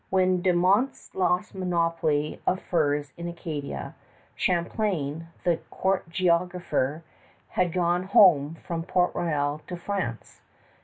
When De Monts lost the monopoly of furs in Acadia, Champlain, the court geographer, had gone home from Port Royal to France.